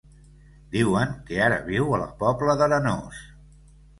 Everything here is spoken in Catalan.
Diuen que ara viu a la Pobla d'Arenós.